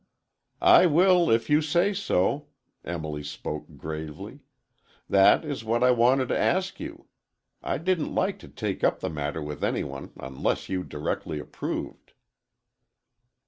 "I will, if you say so." Emily spoke gravely. "That is what I wanted to ask you. I didn't like to take up the matter with any one unless you directly approved."